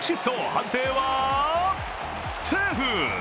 判定はセーフ。